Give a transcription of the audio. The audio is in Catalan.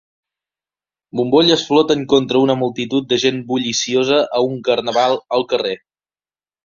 Bombolles floten contra una multitud de gent bulliciosa a un carnaval al carrer.